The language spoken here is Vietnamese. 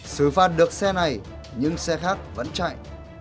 sử phạt được xe này nhưng xe khác vẫn chạy